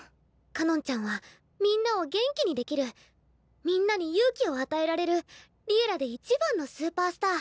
かのんちゃんはみんなを元気にできるみんなに勇気を与えられる「Ｌｉｅｌｌａ！」で一番のスーパースター。